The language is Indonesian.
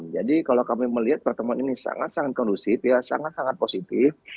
jadi kalau kami melihat pertemuan ini sangat sangat kondusif sangat sangat positif